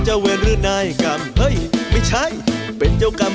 ดูแล้วคงไม่รอดเพราะเราคู่กัน